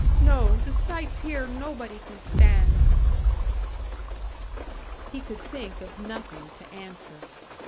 No, the sights here nobody can stand." He could think of nothing to answer.